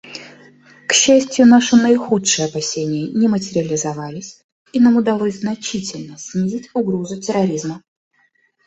К счастью, наши наихудшие опасения не материализовались и нам удалось значительно снизить угрозу терроризма.